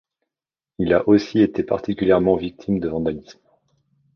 Il a aussi été particulièrement victime de vandalisme.